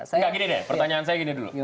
enggak gini deh pertanyaan saya gini dulu